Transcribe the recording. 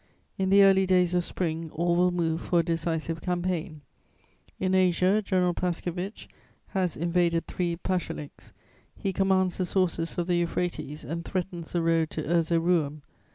In the early days of spring, all will move for a decisive campaign; in Asia, General Paskevitch has invaded three pashalics, he commands the sources of the Euphrates and threatens the road to Erzeroum.